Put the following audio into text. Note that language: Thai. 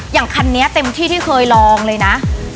อย่างคันนี้เต็มที่ที่เคยลองเลยนะ